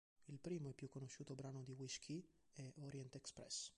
Il primo e più conosciuto brano di Wish Key è "Orient express".